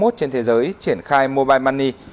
trên thế giới triển khai mobile money